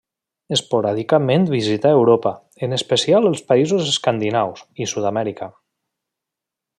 Esporàdicament visità Europa –en especial els països escandinaus— i Sud-amèrica.